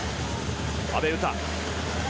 阿部詩。